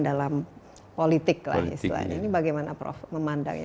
dalam politik lah istilahnya ini bagaimana prof memandangnya